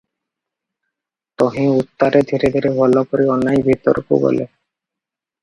ତହିଁ ଉତ୍ତାରେ ଧୀରେ ଧୀରେ ଭଲ କରି ଅନାଇ ଭିତରକୁ ଗଲେ ।